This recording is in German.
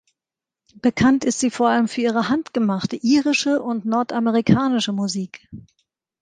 Bekannt ist sie vor allem für ihre handgemachte irische und nordamerikanische Musik.